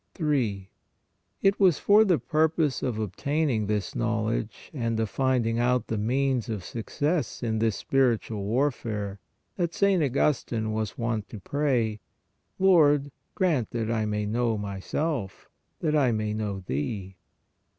3. It was for the purpose of obtaining this knowl edge and of finding out the means of success in this 156 PRAYER spiritual warfare that St. Augustine was wont to pray: " Lorid, grant that I may know myself, that I may know Thee."